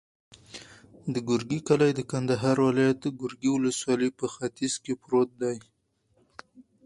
د ګورکي کلی د کندهار ولایت، ګورکي ولسوالي په ختیځ کې پروت دی.